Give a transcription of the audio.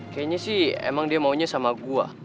kayaknya sih emang dia maunya sama gua